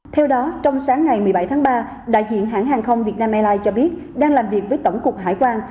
theo đó trong sáng ngày một mươi bảy tháng ba đại diện hãng hàng không việt nam airlines cho biết đang làm việc với tổng cục hải quan